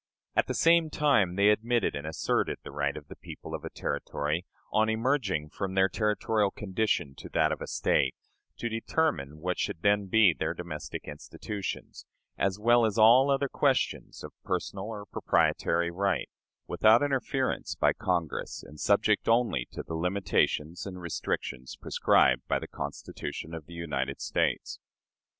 At the same time they admitted and asserted the right of the people of a Territory, on emerging from their territorial condition to that of a State, to determine what should then be their domestic institutions, as well as all other questions of personal or proprietary right, without interference by Congress, and subject only to the limitations and restrictions prescribed by the Constitution of the United States.